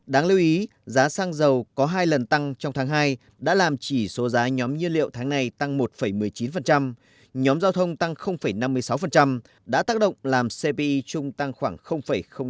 đáng lưu ý giá xăng dầu có hai lần tăng trong tháng hai đã làm chỉ số giá nhóm nhiên liệu tháng này tăng một một mươi chín nhóm giao thông tăng năm mươi sáu đã tác động làm cpi chung tăng khoảng năm